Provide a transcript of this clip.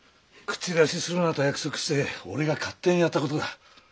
口出しするなと約束して俺が勝手にやったことだ。